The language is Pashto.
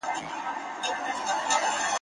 افغان اولسه ژوند دي پېغور دی !.